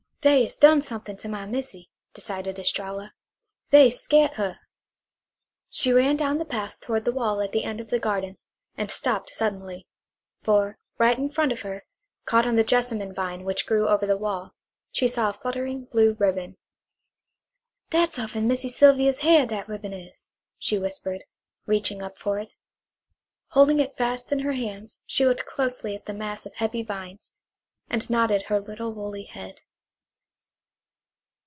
"They'se done somethin' to my missy," decided Estralla. "They'se scairt her." She ran down the path toward the wall at the end of the garden, and stopped suddenly; for right in front of her, caught on the jessamine vine which grew over the wall, she saw a fluttering blue ribbon. "Dat's off'n Missy Sylvia's hair, dat ribbon is," she whispered, reaching up for it. Holding it fast in her hands she looked closely at the mass of heavy vines, and nodded her little woolly head.